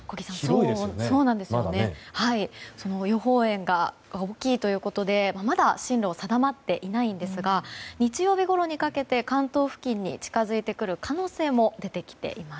予報円が大きいということでまだ進路は定まっていないんですが日曜日ごろにかけて関東付近に近づいてくる可能性も出てきています。